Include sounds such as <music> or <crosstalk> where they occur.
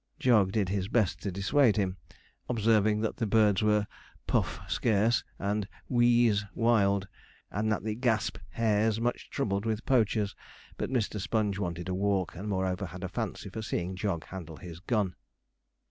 Jog did his best to dissuade him, observing that the birds were (puff) scarce and (wheeze) wild, and the <gasps> hares much troubled with poachers; but Mr. Sponge wanted a walk, and moreover had a fancy for seeing Jog handle his gun.